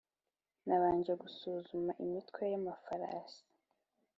nabanje gusuzuma imitwe y'amafarasi